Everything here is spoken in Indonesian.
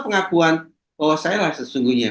pengakuan bahwa sayalah sesungguhnya